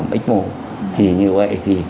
mít mồ thì như vậy thì